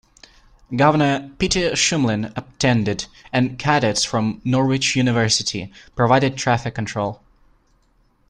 Governor Peter Shumlin attended, and cadets from Norwich University provided traffic control.